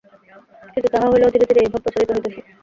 কিন্তু তাহা হইলেও ধীরে ধীরে এই ভাব প্রসারিত হইতেছে।